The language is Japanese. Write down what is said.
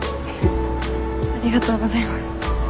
ありがとうございます。